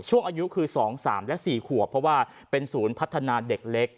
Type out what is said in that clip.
อายุคือ๒๓และ๔ขวบเพราะว่าเป็นศูนย์พัฒนาเด็กเล็ก